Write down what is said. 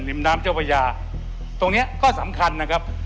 น้ำเจ้าพระยาตรงเนี้ยก็สำคัญนะครับ